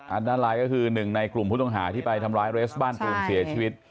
อันตรายก็คือหนึ่งในกลุ่มผู้ต้องหาที่ไปทำร้ายเรสบ้านตูนเสียชีวิต